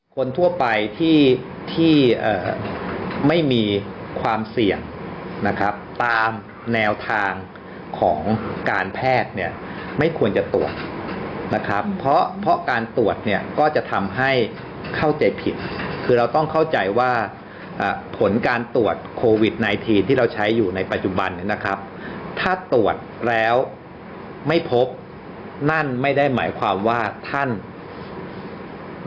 คนทั่วไปที่ที่ไม่มีความเสี่ยงนะครับตามแนวทางของการแพทย์เนี่ยไม่ควรจะตรวจนะครับเพราะเพราะการตรวจเนี่ยก็จะทำให้เข้าใจผิดคือเราต้องเข้าใจว่าผลการตรวจโควิดไนทีนที่เราใช้อยู่ในปัจจุบันเนี่ยนะครับถ้าตรวจแล้วไม่พบนั่นไม่ได้หมายความว่าท่าน